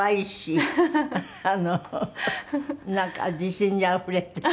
なんか自信にあふれている。